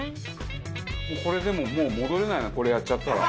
これでももう戻れないなこれやっちゃったら。